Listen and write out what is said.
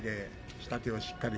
下手をしっかりと。